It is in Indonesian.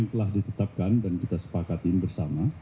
telah ditetapkan dan kita sepakatin bersama